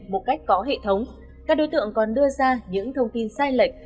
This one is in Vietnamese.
một cách có hệ thống các đối tượng còn đưa ra những thông tin sai lệch